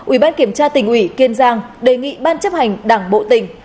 ủy ban kiểm tra tỉnh ủy kiên giang đề nghị ban chấp hành đảng bộ tỉnh